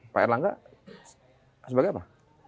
pak erlangga sebagai apa